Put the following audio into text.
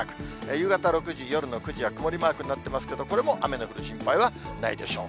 夕方６時、夜の９時は曇りマークになってますけど、これも雨の降る心配はないでしょう。